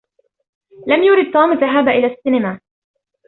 لم يرد توم الذهاب إلى السينما.